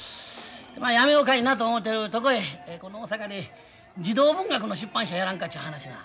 まあ辞めようかいなと思てるとこへこの大阪で児童文学の出版社やらんかちゅう話が起こってな。